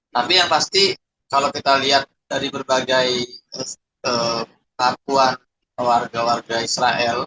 tapi yang pasti kalau kita lihat dari berbagai pengakuan warga warga israel